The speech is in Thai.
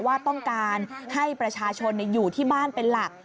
ว่าต้องการให้ประชาชนอยู่ที่บ้านเป็นหลัก